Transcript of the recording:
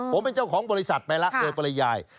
ผมเป็นเจ้าของบริษัทไปแล้วโดยปริยาย